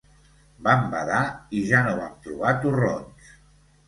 Vam badar i ja no vam trobar torrons.